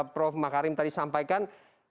prof makarim tadi sampaikan